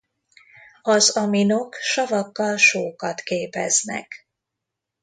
Az aminok savakkal sókat képeznek.